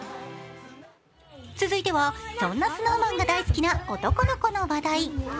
続いては、そんなＳｎｏｗＭａｎが大好きな男の子の話題。